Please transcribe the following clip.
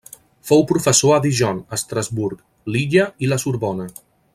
Fou professor a Dijon, Estrasburg, Lilla i la Sorbona.